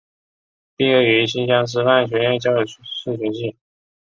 毕业于新乡师范学院数学系。